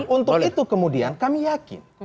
untuk itu kemudian kami yakin